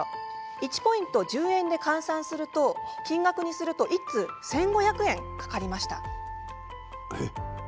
１ポイント１０円で金額にすると１通１５００円かかりました。